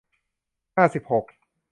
ห้าสิบหก